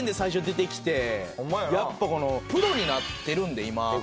やっぱプロになってるんで今。